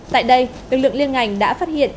tại đây lực lượng liên ngành đã phát hiện